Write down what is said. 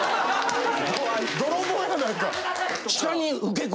泥棒やないか。